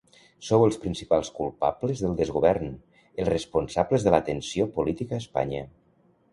Sou els principals culpables del desgovern, els responsables de la tensió política a Espanya.